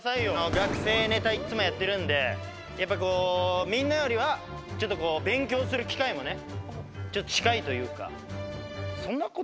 学生ネタいっつもやってるんでやっぱみんなよりはちょっと勉強する機会もねちょっと近いというか。